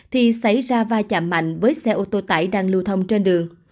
thì xảy ra va chạm mạnh với xe ô tô tải đang lưu thông trên đường